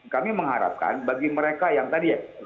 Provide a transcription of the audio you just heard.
kami mengharapkan bagi mereka yang tadi ya